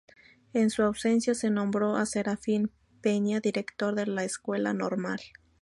En su ausencia, se nombró a Serafín Peña director de la Escuela Normal.